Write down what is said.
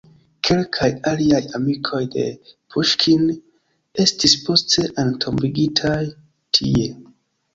Kelkaj aliaj amikoj de Puŝkin estis poste entombigitaj tie.